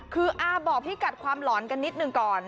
คืออ้าบอกให้กัดความหล่อนกันนิดนึงก่อน